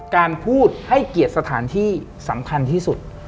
การพูดให้เกียรติสถานที่สำคัญที่สุด